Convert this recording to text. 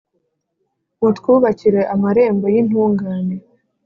mutwubakira amarembo y’intungane